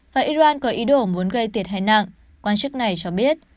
và iran có ý đồ muốn gây tiệt hèn nặng quan chức này cho biết